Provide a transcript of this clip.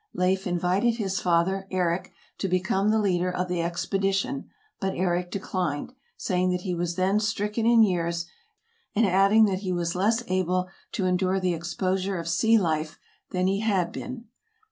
Leif invited his father, Eric, to become the leader of the expedition, but Eric declined, saying that he was then stricken in years, and adding that he was less able to endure the exposure of sea life than he had been.